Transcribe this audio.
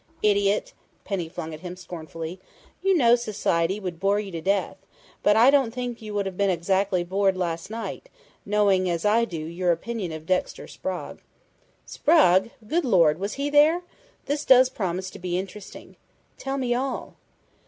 "Idiot!" Penny flung at him scornfully. "You know society would bore you to death, but I don't think you would have been exactly bored last night, knowing, as I do, your opinion of Dexter Sprague." "Sprague? Good Lord! Was he there?... This does promise to be interesting! Tell me all!"